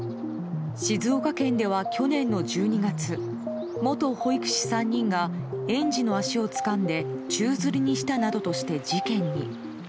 静岡県では去年の１２月元保育士３人が園児の足をつかんで宙づりにしたなどとして事件に。